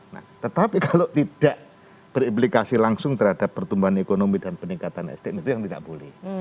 dilarang juga tapi juga aplikasi langsung terhadap pertumbuhan ekonomi dan peningkatan sdm itu yang tidak boleh